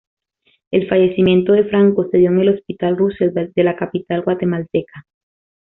El fallecimiento de Franco se dio en el Hospital Roosevelt de la capital guatemalteca.